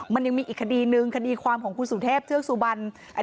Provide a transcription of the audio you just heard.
มันยังมีอีกคดีหนึ่งคดีความของคุณสุทธิพย์เทือกสู่บรรยา